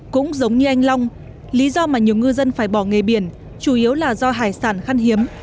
cũng giống như anh long lý do mà nhiều ngư dân phải bỏ nghề biển chủ yếu là do hải sản khăn hiếm